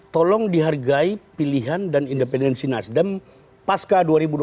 tolong dihargai pilihan dan independensi nasdem pasca dua ribu dua puluh